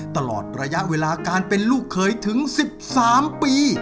ตลอดระยะเวลาการเป็นลูกเคยถึง๑๓ปี